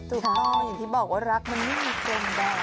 ถูกต้องอย่างที่บอกว่ารักมันไม่มีเกมแบบ